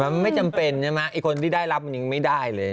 มันไม่จำเป็นคนที่ได้รับมันยังไม่ได้เลย